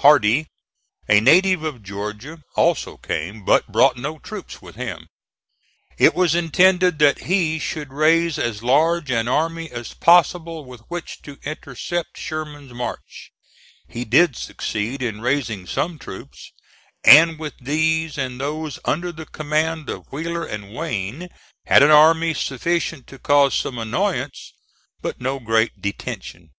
Hardee, a native of Georgia, also came, but brought no troops with him. It was intended that he should raise as large an army as possible with which to intercept Sherman's march. He did succeed in raising some troops, and with these and those under the command of Wheeler and Wayne, had an army sufficient to cause some annoyance but no great detention.